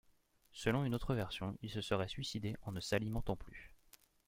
Selon une autre version, il se serait suicidé en ne s'alimentant plus.